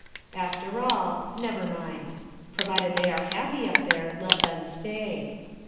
After all, never mind. Provided they are happy up there, let them stay.